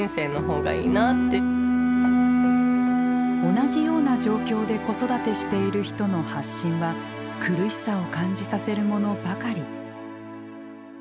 同じような状況で子育てしている人の発信は苦しさを感じさせるものばかり。